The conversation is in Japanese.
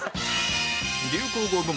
流行語部門